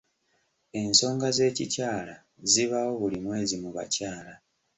Ensonga z'ekikyala zibaawo buli mwezi mu bakyala.